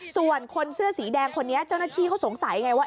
ส่วนคนเสื้อสีแดงคนนี้เจ้าหน้าที่เขาสงสัยไงว่า